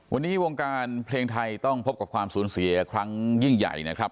วันนี้วงการเพลงไทยต้องพบกับความสูญเสียครั้งยิ่งใหญ่นะครับ